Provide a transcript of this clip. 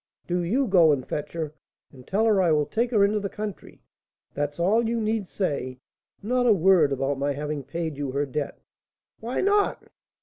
"Do you go and fetch her, and tell her I will take her into the country; that's all you need say; not a word about my having paid you her debt." "Why not?"